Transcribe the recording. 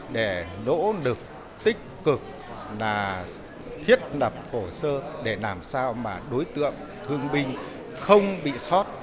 để nỗ lực tích cực là thiết lập cổ sơ để làm sao mà đối tượng thương binh không bị sót